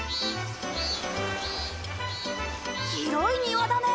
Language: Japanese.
広い庭だね！